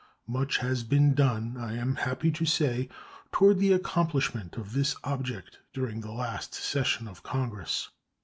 Much has been done, I am happy to say, toward the accomplishment of this object during the last session of Congress.